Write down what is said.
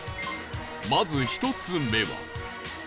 まず１つ目は